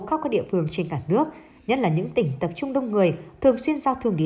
khắp các địa phương trên cả nước nhất là những tỉnh tập trung đông người thường xuyên giao thương địa